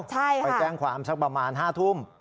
ไปแจ้งความสักประมาณ๕ทุ่ม